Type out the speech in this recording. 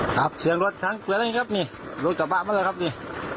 ครับเสียงรถชั้นเปลี่ยนแล้วนี่ครับนี่รถจับบ้านมาแล้วครับนี่